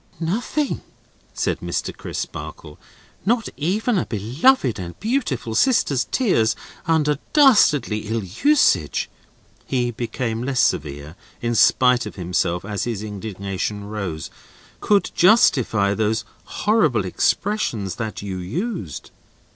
"Nothing," said Mr. Crisparkle, "not even a beloved and beautiful sister's tears under dastardly ill usage;" he became less severe, in spite of himself, as his indignation rose; "could justify those horrible expressions that you used."